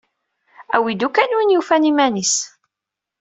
Awi-d ukan win yufan iman-is.